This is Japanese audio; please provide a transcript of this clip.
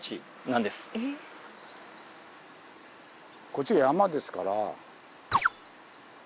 こっちは山ですから。